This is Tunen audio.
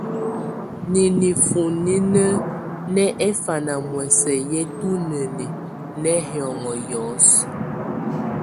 Nìnífúnínǝ̀ nɛ ɛfanamɔ̀ɔ̀sɛ̀ yɛ̀ tunɛn nɛ̀ hiɔ̀ŋɔ̀ hiɔ̀sɔ.